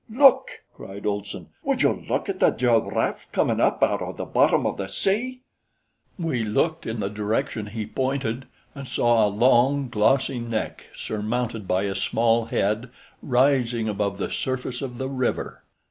"Look!" cried Olson. "Would you look at the giraffe comin' up out o' the bottom of the say?" We looked in the direction he pointed and saw a long, glossy neck surmounted by a small head rising above the surface of the river.